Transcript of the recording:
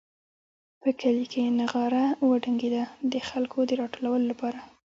په کلي کې نغاره وډنګېده د خلکو د راټولولو لپاره.